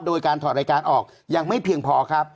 โดยการถอดรายการออกยังไม่เพียงพอครับ